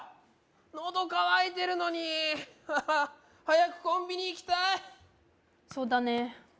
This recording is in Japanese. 喉渇いてるのに早くコンビニ行きたいそうだね